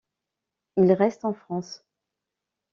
Il reste en France.